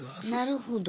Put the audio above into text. なるほど。